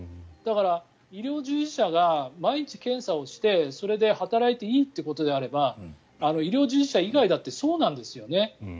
だから、医療従事者が毎日検査をしてそれで働いていいということであれば医療従事者以外だってそうなんですよね。